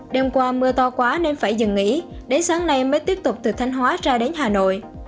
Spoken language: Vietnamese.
đêm qua mưa to quá nên phải dừng nghỉ đến sáng nay mới tiếp tục từ thanh hóa ra đến hà nội